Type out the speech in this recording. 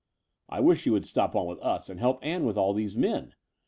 *' I wish you could stop on with us and help Ann with all these men?"